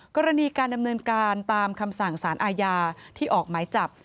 กรณีการดำเนินการตามคำสั่งสารอาญาที่ออกหมายจับ